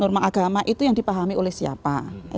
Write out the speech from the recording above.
norma agama itu yang dipahami oleh siapa